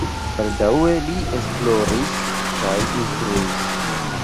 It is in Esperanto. Baldaŭe li esploris kaj instruis.